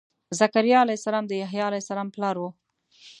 ذکریا علیه السلام د یحیا علیه السلام پلار و.